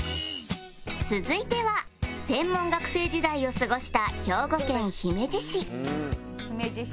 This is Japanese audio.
続いては専門学生時代を過ごした「姫路市」